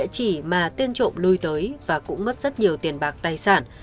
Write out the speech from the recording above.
chỉ mà tên trộm lui tới và cũng mất rất nhiều tiền bạc tài sản